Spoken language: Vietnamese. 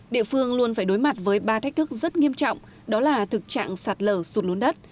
địa phương luôn phải đối mặt với ba thách thức rất nghiêm trọng đó là thực trạng sạt lở sụt lún đất